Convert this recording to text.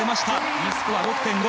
Ｄスコア、６．５。